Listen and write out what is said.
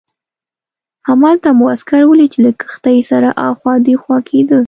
همالته مو عسکر ولید چې له کښتۍ سره اخوا دیخوا کېده.